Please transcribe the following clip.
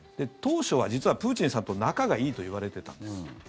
当初は、実はプーチンさんと仲がいいといわれてたんです。